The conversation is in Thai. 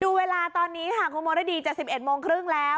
ดูเวลาตอนนี้ครับครูมาร่าดี๗๑๓๐นแล้ว